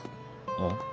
あっ？